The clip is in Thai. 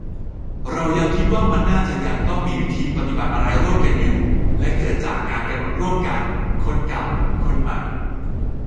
เรายังคิดว่ามันน่าจะยังต้องมีวิธีปฏิบัติอะไรร่วมกันอยู่ - และเกิดจากการกำหนดร่วมกัน คนเก่า คนใหม่